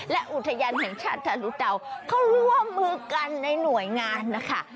และอุทยานแห่งชาติทะลุเตาเขาร่วมมือกันในหน่วยงานนะคะ